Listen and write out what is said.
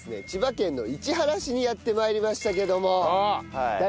千葉県の市原市にやって参りましたけども。